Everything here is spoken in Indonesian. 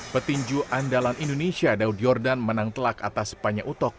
petinju andalan indonesia daud yordan menang telak atas spanyo utok